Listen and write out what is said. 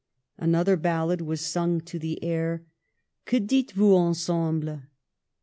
Another ballad was sung to the air " Que dites vous ensemble."